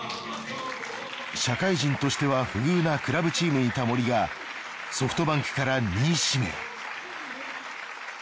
社会人としては不遇なクラブチームにいた森がソフトバンクから２位指名。